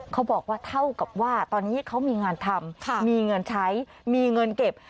เขาบอกว่าเท่ากับว่าตอนนี้เขามีงานทำมีเงินใช้มีเงินเก็บ